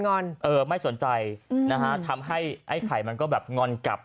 งอนไม่สนใจทำให้ไข่มันก็แบบงอนกับ